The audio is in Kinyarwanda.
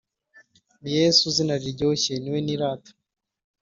Ni Yesu zina riryoshye niwe nirata